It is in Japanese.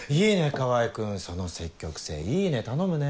川合君その積極性いいね頼むね。